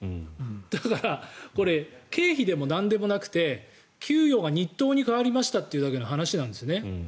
だからこれ経費でもなんでもなくて給与が日当に変わりましたというだけの話なんですね。